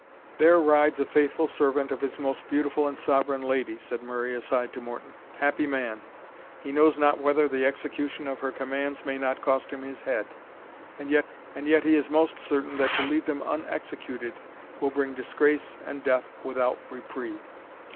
"There rides a faithful servant of his most beautiful and Sovereign Lady," said Murray aside to Morton. "Happy man! he knows not whether the execution of her commands may not cost him his head; and yet he is most certain that to leave them unexecuted will bring disgrace and death without reprieve.